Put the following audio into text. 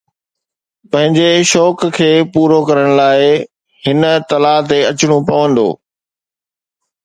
پنهنجي شوق کي پورو ڪرڻ لاءِ هن تلاءَ تي اچڻو پوندو